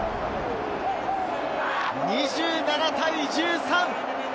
２７対１３！